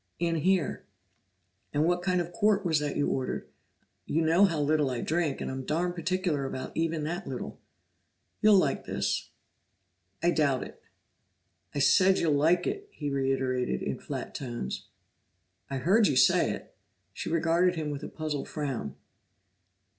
"In here." "And what kind of quart was that you ordered? You know how little I drink, and I'm darned particular about even that little." "You'll like this." "I doubt it." "I said you'll like it," he reiterated in flat tones. "I heard you say it." She regarded him with a puzzled frown.